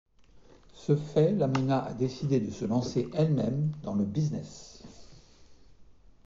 Ce fait l'amena à décider de se lancer elle-même dans le business.